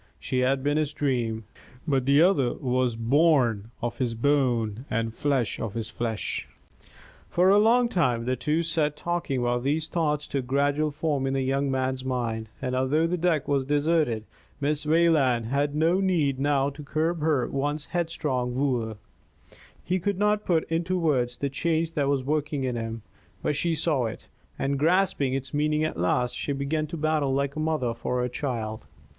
She had been his dream, but the other was bone of his bone and flesh of his flesh. For a long time the two sat talking while these thoughts took gradual form in the young man's mind, and although the deck was deserted, Miss Wayland had no need now to curb her once headstrong wooer. He could not put into words the change that was working in him; but she saw it, and, grasping its meaning at last, she began to battle like a mother for her child.